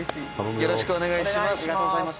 「よろしくお願いします」